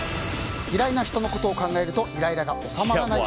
嫌いな人のことを考えるとイライラが収まらない。